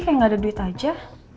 kayak gak ada duit aja